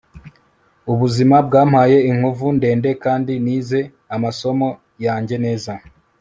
ubuzima bwampaye inkovu ndende kandi nize amasomo yanjye neza